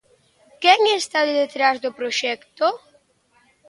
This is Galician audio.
Quen está detrás do proxecto?